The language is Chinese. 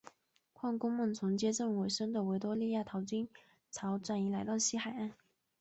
矿工们从接近尾声的维多利亚淘金潮转移来到西海岸。